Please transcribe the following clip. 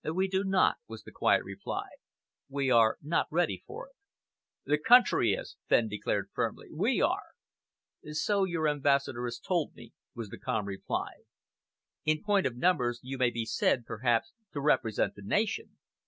"We do not," was the quiet reply. "We are not ready for it." "The country is," Fenn declared firmly. "We are." "So your ambassador has told me," was the calm reply. "In point of numbers you may be said, perhaps, to represent the nation.